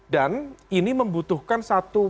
dan ini membutuhkan satu